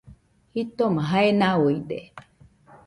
Jitoma jae nauide